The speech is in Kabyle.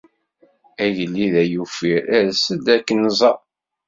Agellid ay uffir ers-d ad ak-nẓer.